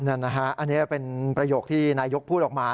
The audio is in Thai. นั่นนะฮะอันนี้เป็นประโยคที่นายกพูดออกมา